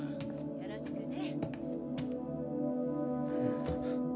・よろしくね。